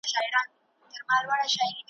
د پوه سړي دوستي زیان نه لري ,